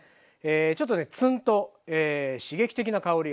ちょっとねツンと刺激的な香りがします。